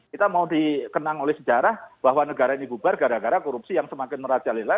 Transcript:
kita mau dikenang oleh sejarah bahwa negara ini bubar gara gara korupsi yang semakin merajalela